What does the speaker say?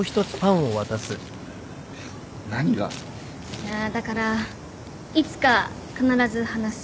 いやだからいつか必ず話す。